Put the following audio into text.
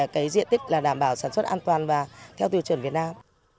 cái diện tích là đảm bảo sản xuất an toàn và theo tiêu chuẩn việt nam